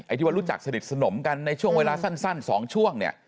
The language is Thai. ที่ว่ารู้จักสนิทสนมกันในช่วงเวลาสั้น๒ช่วงเนี่ย